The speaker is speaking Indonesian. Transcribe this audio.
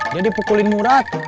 dia dipukulin murad